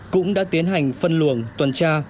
cũng đã tiến hành phân luồng toàn tra